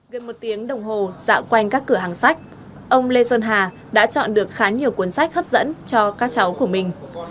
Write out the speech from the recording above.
gần một tiếng đồng hồ dạo quanh các cửa hàng sách ông lê sơn hà đã chọn được khá nhiều cuốn sách hấp dẫn cho các cháu của mình